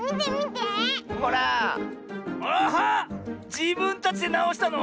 じぶんたちでなおしたの？